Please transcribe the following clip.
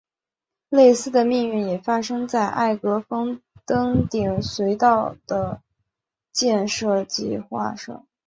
类似的命运也发生在艾格峰登顶隧道的建设计画上。